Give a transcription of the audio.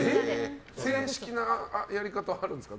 正式なやり方あるんですか？